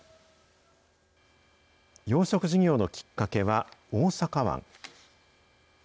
養殖事業のきっかけは大阪湾。